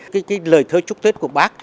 cái cái lời thơ trúc thuyết của bác